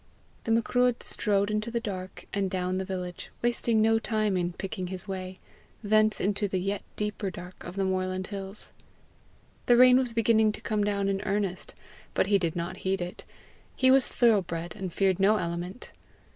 The Macruadh strode into the dark, and down the village, wasting no time in picking his way thence into the yet deeper dark of the moorland hills. The rain was beginning to come down in earnest, but he did not heed it; he was thoroughbred, and feared no element.